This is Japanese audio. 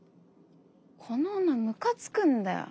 この女ムカつくんだよ。